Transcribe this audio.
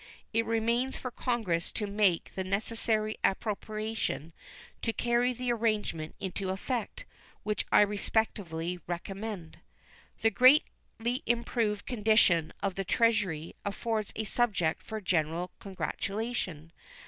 It remains for Congress to make the necessary appropriation to carry the arrangement into effect, which I respectfully recommend. The greatly improved condition of the Treasury affords a subject for general congratulation.